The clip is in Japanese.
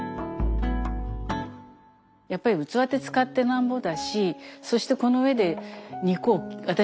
やっぱり器って使ってなんぼだしそしてこの上で肉を私たちは平気で切っちゃうんですよ。